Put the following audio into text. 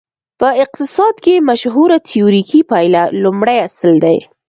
په اقتصاد کې مشهوره تیوریکي پایله لومړی اصل دی.